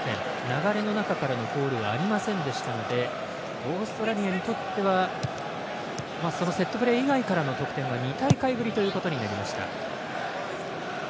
流れの中からのゴールはありませんでしたのでオーストラリアにとってはそのセットプレー以外からの得点２大会ぶりということになりました。